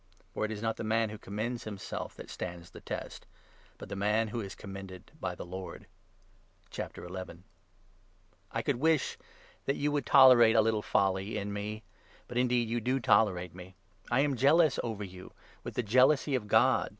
For it is not the man who commends himself that 18 stands the test, but the man who is commended by the Lord. His RiBht I could wish that you would tolerate a little folly i as an in me ! But indeed you do tolerate me. I am 2 Apostle. jealous over you with the jealousy of God.